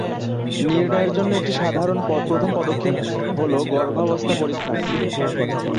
নির্ণয়ের জন্য একটি সাধারণ প্রথম পদক্ষেপ হল গর্ভাবস্থা পরীক্ষা।